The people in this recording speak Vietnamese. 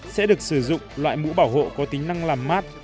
sẽ được sử dụng loại mũ bảo hộ có tính năng làm mát